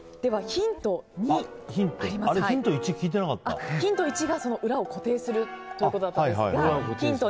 ヒント１が、裏を固定するということだったんですがヒント